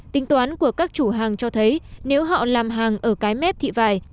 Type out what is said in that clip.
tính toán của các chủ hàng cho thấy nếu họ làm hàng ở cái mép thị vải